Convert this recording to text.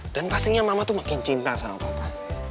dan pastinya mama tuh makin cinta sama papa